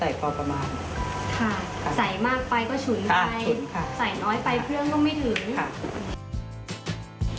ใส่น้อยไปเครื่องก็ไม่ถึง